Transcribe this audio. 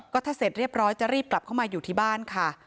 ก็ถ้าเสร็จเรียบร้อยจะรีบกลับเข้ามาอยู่ที่บ้านค่ะ